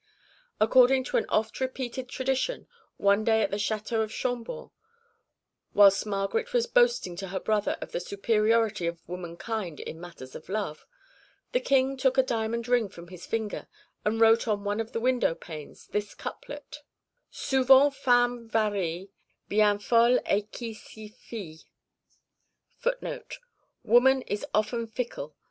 According to an oft repeated tradition, one day at the Château of Chambord, whilst Margaret was boasting to her brother of the superiority of womankind in matters of love, the King took a diamond ring from his finger and wrote on one of the window panes this couplet: "Souvent femme varie, Bien fol est qui s'y fie."